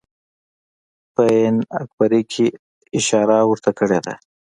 په آیین اکبري کې اشاره ورته کړې ده.